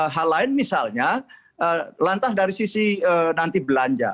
hal lain misalnya lantas dari sisi nanti belanja